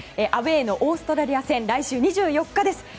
アウェーのオーストラリア戦来週２４日です。